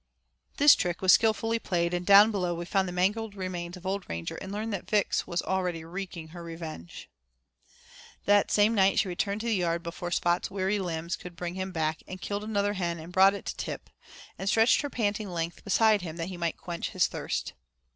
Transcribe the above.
This trick was skilfully played, and down below we found the mangled remains of old Ranger and learned that Vix was already wreaking her revenge. That same night she returned to the yard before Spot's weary limbs could bring him back and killed another hen and brought it to Tip, and stretched her panting length beside him that he might quench his thirst.